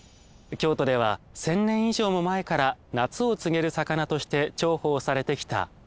京都では１，０００年以上も前から夏を告げる魚として重宝されてきた鮎。